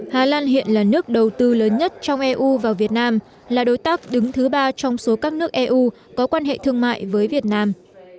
hà lan hiện là nước đầu tư lớn nhất trong eu vào việt nam là đối tác đứng thứ ba trong số các nước eu có quan hệ thương mại với việt nam